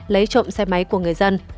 lấy trộm xe máy của người dân